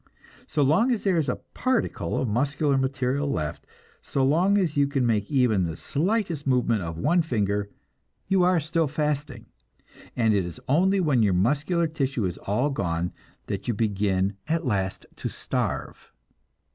So long as there is a particle of muscular material left, so long as you can make even the slightest movement of one finger, you are still fasting, and it is only when your muscular tissue is all gone that you begin at last to starve.